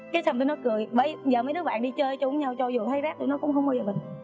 cái xong tụi nó cười bây giờ mấy đứa bạn đi chơi chung nhau cho dù thấy rác tụi nó cũng không bao giờ bình